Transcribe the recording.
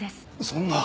そんな！